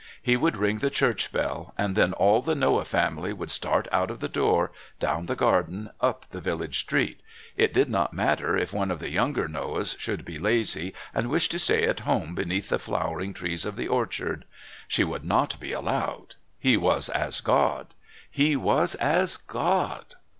He would ring the church bell, and then all the Noah family should start out of the door, down the garden, up the village street... It did not matter if one of the younger Noahs should be lazy and wish to stay at home beneath the flowering trees of the orchard. She would not be allowed... He was as God.. . He was as God...